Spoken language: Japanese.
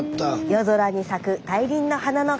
夜空に咲く大輪の花の数々。